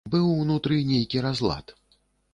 Быў унутры нейкі разлад.